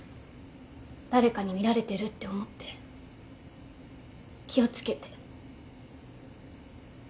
誰かに見られてるって思って気を付けて。